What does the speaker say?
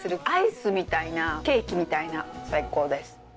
アイスみたいなケーキみたいな最高です。